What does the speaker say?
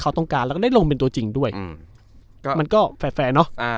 เขาต้องการแล้วก็ได้ลงเป็นตัวจริงด้วยอืมก็มันก็แฟร์แฟร์เนอะอ่า